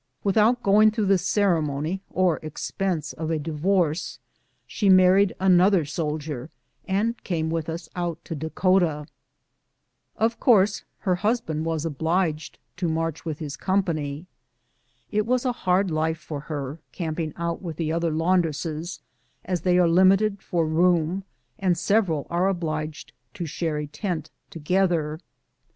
Without going througli the ceremony or ex pense of a divorce, she married another soldier, and had come with ns out to Dakota. Of course her husband was obliged to march with his company. It was a hard life for her, camping out with the other laundresses, as they are limited for room, and several are obliged to share a tent together.